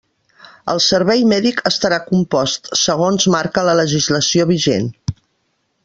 El servei mèdic estarà compost segons marque la legislació vigent.